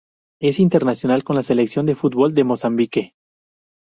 Es internacional con la selección de fútbol de Mozambique.